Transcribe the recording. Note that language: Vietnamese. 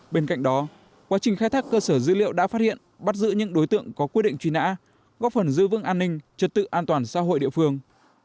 bên cạnh đó quá trình khai thác cơ sở dữ liệu đã phát hiện bắt giữ những đối tượng có quyết định truy nã góp phần giữ vững an ninh trật tự an toàn xã hội địa phương